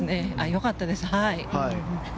良かったです。